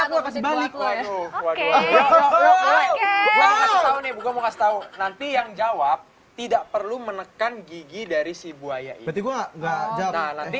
aku kasih balik waduh oke oke nanti yang jawab tidak perlu menekan gigi dari si buaya itu nanti